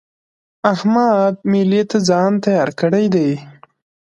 احمد مېلې ته ځان تيار کړی دی.